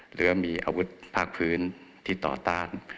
หรือว่ามีอาวุธภาคพื้นที่ต่อต้าน